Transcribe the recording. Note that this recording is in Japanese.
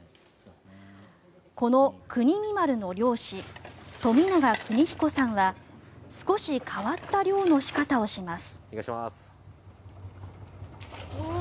この「邦美丸」の漁師富永邦彦さんは少し変わった漁の仕方をします。